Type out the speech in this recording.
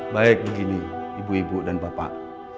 baik begini ibu ibu dan bapak